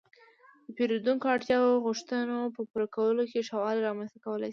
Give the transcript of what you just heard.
-د پېرېدونکو اړتیاو او غوښتنو پوره کولو کې ښه والی رامنځته کولای شئ